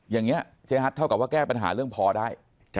อย่างนี้เจ๊ฮัทเท่ากับว่าแก้ปัญหาเรื่องพอได้